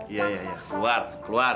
iya iya keluar keluar